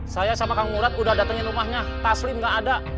saya sama kang murad udah datengin rumahnya taslim nggak ada